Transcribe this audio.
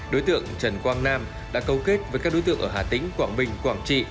đối tượng trần quang nam đã câu kết với các đối tượng ở hà tĩnh quảng bình quảng trị